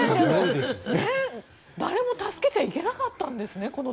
誰も助けちゃいけなかったんですね、この時。